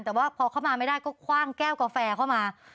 แต่ว่าพอเข้ามาไม่ได้ก็คว่างแก้วกาแฟเข้ามา